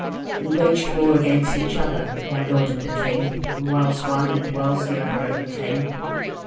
"We waged war against each other, my lord and the king, and whiles one, and whiles the other overcame.